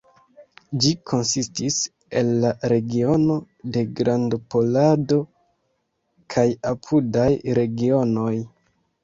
Ĝi konsistis el la regiono de Grandpollando kaj apudaj regionoj.